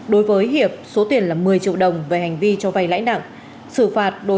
đối với hiệp số tiền là một mươi triệu đồng về hành vi cho vay lãnh nặng